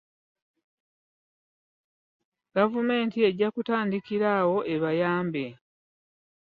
Gavumenti ejja kutandikira awo ebayambe.